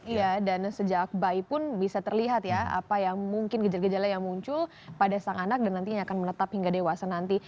iya dan sejak bayi pun bisa terlihat ya apa ya mungkin gejala gejala yang muncul pada sang anak dan nantinya akan menetap hingga dewasa nanti